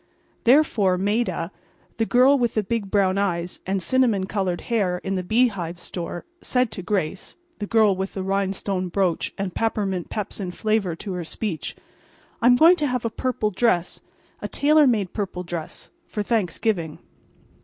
Therefore Maida—the girl with the big brown eyes and cinnamon colored hair in the Bee Hive Store—said to Grace—the girl with the rhinestone brooch and peppermint pepsin flavor to her speech—"I'm going to have a purple dress—a tailor made purple dress—for Thanksgiving."